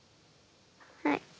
はい。